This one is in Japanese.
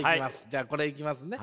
じゃあこれいきますね。